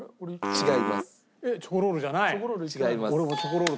違います。